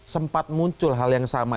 sempat muncul hal yang sama